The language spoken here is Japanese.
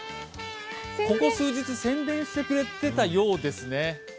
ここ数日、宣伝してくれてたようですね。